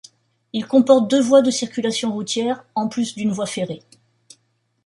Il comporte deux voies de circulation routière, en plus d'une voie ferrée.